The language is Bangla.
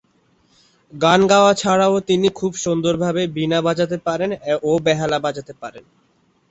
গান গাওয়া ছাড়াও তিনি খুব সুন্দরভাবে বীণা বাজাতে পারেন ও বেহালা বাজাতে পারেন।